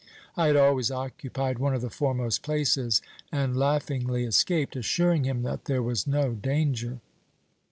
I had always occupied one of the foremost places, and laughingly escaped, assuring him that there was no danger.